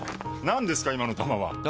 何ですか今の球は！え？